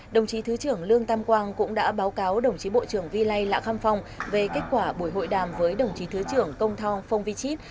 đồng chí thứ trưởng lương tam quang cũng đã báo cáo đồng chí bộ trưởng vy lai lạc khăm phong về kết quả buổi hội đàm với đồng chí thứ trưởng công thong phong vy chít